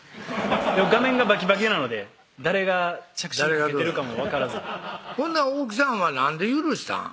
でも画面がバキバキなので誰が着信受けてるかも分からず奥さんはなんで許したん？